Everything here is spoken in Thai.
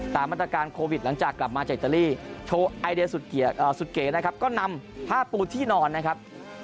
มาตรการโควิดหลังจากกลับมาจากอิตาลีโชว์ไอเดียสุดเก๋นะครับก็นำผ้าปูที่นอนนะครับ